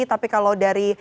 tapi kalau dari